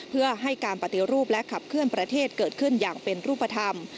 เพื่อให้การปฏิรูปและขับเคลื่อนประเทศเกิดขึ้นอย่างเป็นรูปธรรม